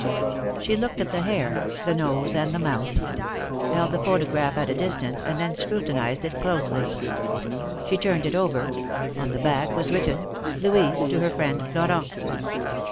She looked at the hair, the nose and the mouth ; held the photograph at a distance, and then scrutinized it closely. She turned it over : on the back was written : Louise to her friend Florent."